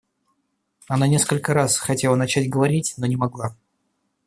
Она несколько раз хотела начать говорить, но не могла.